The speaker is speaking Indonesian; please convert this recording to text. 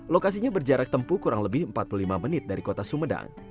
lokasinya berjarak tempuh kurang lebih empat puluh lima menit dari kota sumedang